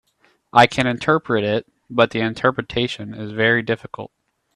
I can interpret it, but the interpretation is very difficult.